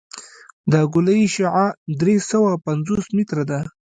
د ګولایي شعاع درې سوه پنځوس متره ده